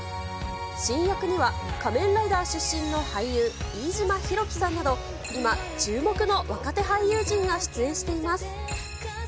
伸役には仮面ライダー出身の俳優、飯島寛騎さんなど、今注目の若手俳優陣が出演しています。